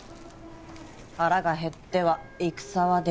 腹が減っては戦はできぬ。